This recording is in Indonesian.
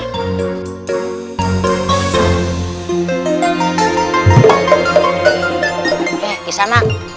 eh di sana